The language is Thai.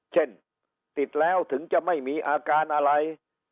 เช่นติดแล้วถึงจะไม่มีอาการอะไร